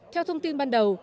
theo thông tin ban đầu